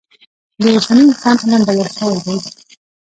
د اوسني انسان علم بدل شوی دی.